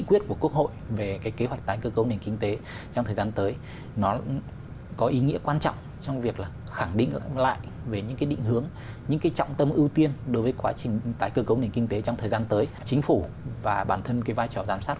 quá trình tải cơ cấu nền kinh tế trong thời gian tới chính phủ và bản thân cái vai trò giám sát